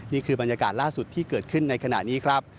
นี่คือบรรยากาศล่าสุดที่เกิดขึ้นในขณะนี้ครับ